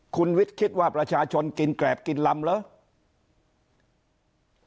คุณวิทย์คิดว่าประชาชนกินแกรบกินลำเหรอ